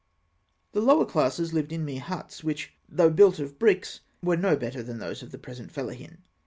] The lower classes lived in mere huts which, though built of bricks, were no better than those of the present fellahin.